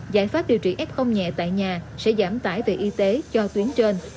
giải pháp điều trị ép hông nhẹ tại nhà sẽ giảm tải về y tế cho tuyến trên